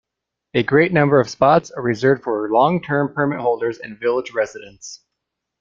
A great number of spots are reserved for long-term permit holders and village residents.